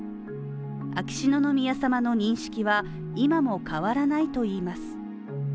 秋篠宮さまの認識は今も変わらないといいます。